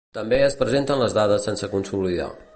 També es presenten les dades sense consolidar.